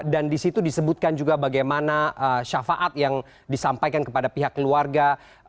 dan di situ disebutkan juga bagaimana syafaat yang disampaikan kepada pihak keluarga